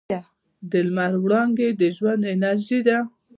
د لمر وړانګې د ژوند انرژي ده.